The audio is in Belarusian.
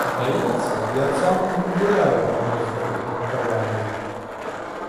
Здаецца, я цалкам падзяляю адно з гэтых меркаванняў.